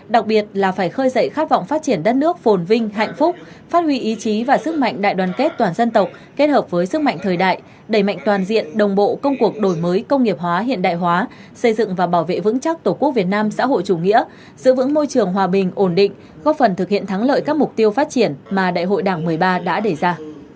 đặc biệt là phải khơi dậy khát vọng phát triển đất nước phồn vinh hạnh phúc phát huy ý chí và sức mạnh đại đoàn kết toàn dân tộc kết hợp với sức mạnh thời đại đẩy mạnh toàn diện đồng bộ công cuộc đổi mới công nghiệp hóa hiện đại hóa xây dựng và bảo vệ vững chắc tổ quốc việt nam xã hội chủ nghĩa giữ vững môi trường hòa bình ổn định góp phần thực hiện thắng lợi các mục tiêu phát triển mà đại hội đảng một mươi ba đã đẩy ra